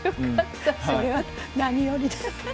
それは何よりで。